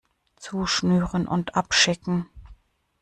Zuschnüren und abschicken!